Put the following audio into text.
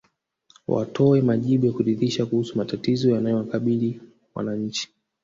Watoe majibu ya kuridhisha kuhusu matatizo yanayowakabili wananchi